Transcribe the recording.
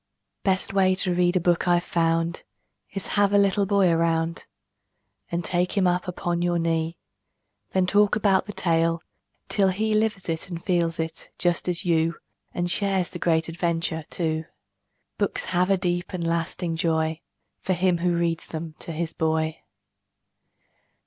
Best way to read a book I've found Is have a little boy around And take him up upon your knee; Then talk about the tale, till he Lives it and feels it, just as you, And shares the great adventure, too. Books have a deep and lasting joy For him who reads them to his boy.